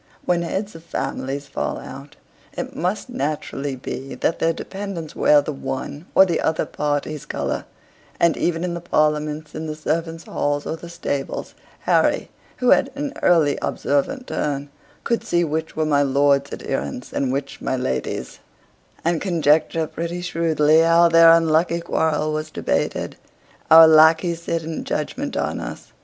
When heads of families fall out, it must naturally be that their dependants wear the one or the other party's color; and even in the parliaments in the servants' hall or the stables, Harry, who had an early observant turn, could see which were my lord's adherents and which my lady's, and conjecture pretty shrewdly how their unlucky quarrel was debated. Our lackeys sit in judgment on us.